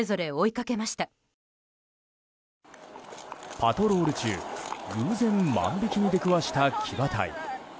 パトロール中、偶然万引きに出くわした騎馬隊。